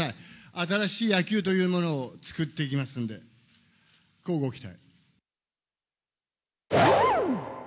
新しい野球というものを作っていきますんで、こうご期待。